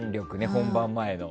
本番前の。